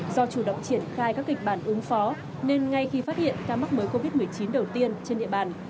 do chủ động triển khai các kịch bản ứng phó nên ngay khi phát hiện ca mắc mới covid một mươi chín đầu tiên trên địa bàn